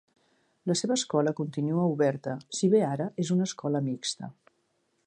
La seva escola continua oberta, si bé ara és una escola mixta.